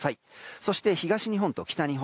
そして東日本と北日本